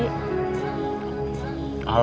alhamdulillah saya ikut seneng kang